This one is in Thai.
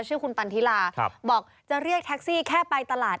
ชื่อคุณปันทิลาบอกจะเรียกแท็กซี่แค่ไปตลาด